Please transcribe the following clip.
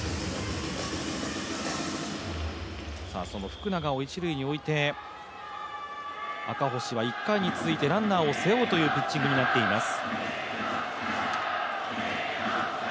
その福永を一塁において、赤星は１回に続いてランナーを背負うというピッチングになっています。